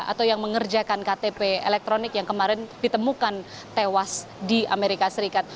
atau yang mengerjakan ktp elektronik yang kemarin ditemukan tewas di amerika serikat